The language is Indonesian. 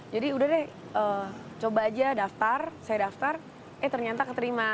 jadi udah deh coba aja daftar saya daftar eh ternyata keterima